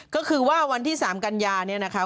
ก็คือว่าวันที่๓กันยาเนี่ยนะคะ